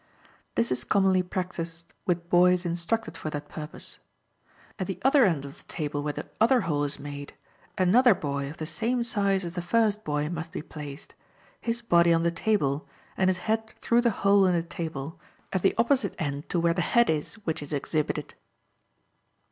(This is commonly practiced with boys instructed for that purpose). At the other end of the table where the other hole is made, another boy of the same size as the first boy must be placed, his body on the table and his head through the hole in the table, at the opposite end to where the head is which is exhibited.